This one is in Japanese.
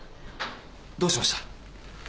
どうしました？